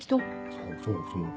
そうそうそう。